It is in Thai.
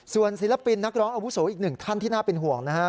ส่วนศิลปินนักร้องอาวุโสอีกหนึ่งท่านที่น่าเป็นห่วงนะฮะ